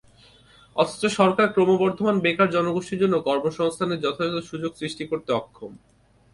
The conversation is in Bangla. অথচ সরকার ক্রমবর্ধমান বেকার জনগোষ্ঠীর জন্য কর্মসংস্থানের যথাযথ সুযোগ সৃষ্টি করতে অক্ষম।